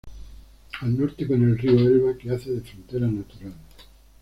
Al norte con el río Elba que hace de frontera natural.